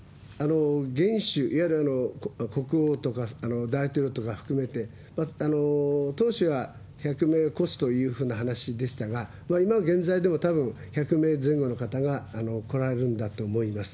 元首、いわゆる国王とか大統領とか含めて、当初は１００名を超すという話でしたが、今現在でも、たぶん１００名前後の方が来られるんだと思います。